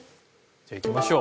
じゃあいきましょう。